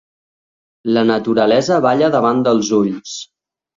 La naturalesa balla davant dels ulls